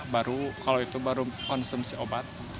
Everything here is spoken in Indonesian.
baru kalau itu baru konsumsi obat